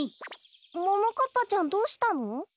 ももかっぱちゃんどうしたの？